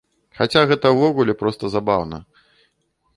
Хаця гэта ўвогуле проста забаўна.